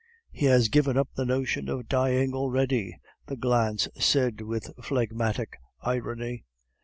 "He has given up the notion of dying already," the glance said with phlegmatic irony.